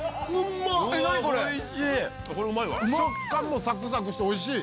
食感もサクサクして美味しい！